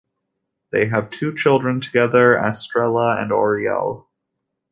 They have two children together, Astrella and Oriole.